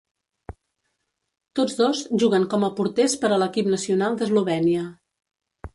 Tots dos juguen com a porters per a l'equip nacional d'Eslovènia.